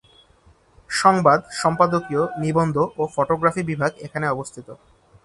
সংবাদ, সম্পাদকীয়, নিবন্ধ ও ফটোগ্রাফি বিভাগ এখানে অবস্থিত।